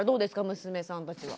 娘さんたちは。